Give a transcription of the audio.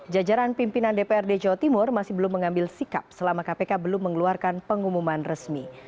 jajaran pimpinan dprd jawa timur masih belum mengambil sikap selama kpk belum mengeluarkan pengumuman resmi